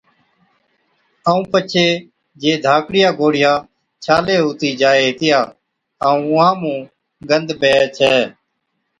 ائُون پڇي جي ڌاڪڙِيا گوڙهِيا ڇالي هُتِي جائي هِتِيا ائُون اُونهان مُون گند بيهَي ڇَي۔